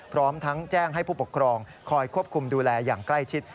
พร้อมทั้งแจ้งให้ผู้ปกครองคอยควบคุมดูแลอย่างใกล้ชิด